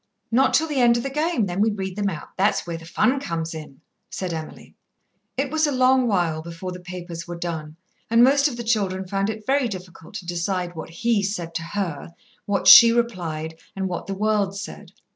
"Not till the end of the game, then we read them out. That's where the fun comes in," said Emily. It was a long while before the papers were done, and most of the children found it very difficult to decide what he said to her, what she replied, and what the world said.